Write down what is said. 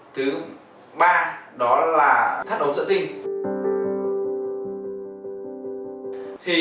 thứ ba đó là thắt ống dựa tinh